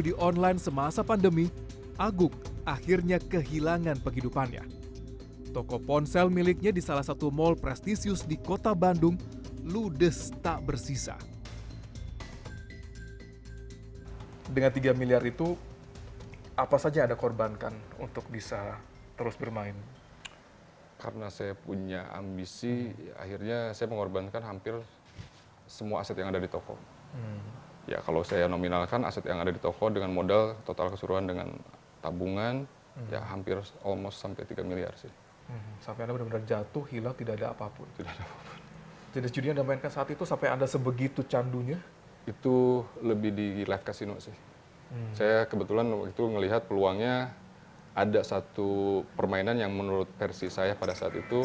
depositnya ada di maksimal atau minimalnya enggak mas